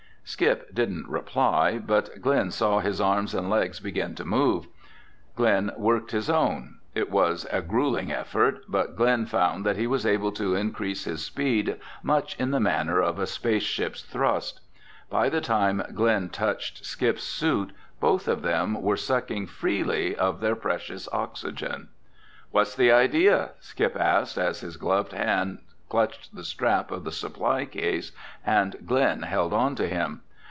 Skip didn't reply but Glen saw his arms and legs begin to move. Glen worked his own. It was a grueling effort, but Glen found that he was able to increase his speed much in the manner of a space ship's thrust. By the time Glen touched Skip's suit, both of them were sucking freely of their precious oxygen. "What's the idea?" Skip asked as his gloved hand clutched the strap of the supply case and Glen held onto him.